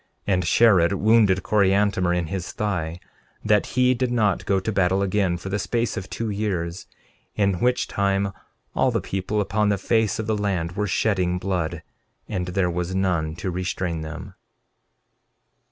13:31 And Shared wounded Coriantumr in his thigh, that he did not go to battle again for the space of two years, in which time all the people upon the face of the land were shedding blood, and there was none to restrain them.